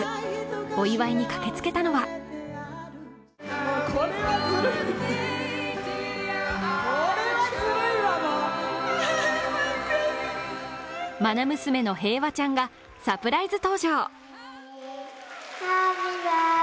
お祝いに駆けつけたのはまな娘の平和ちゃんがサプライズ登場。